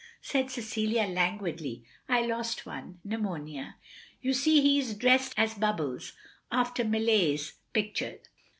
said Cecilia languidly. "I lost one — pneumonia. You see he is dressed as Bubbles, after Millais's picture."